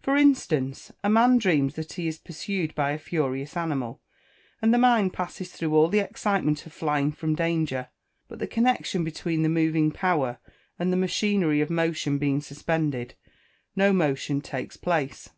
For instance: a man dreams that he is pursued by a furious animal, and the mind passes through all the excitement of flying from danger; but the connection between the moving power, and the machinery of motion being suspended, no motion takes place.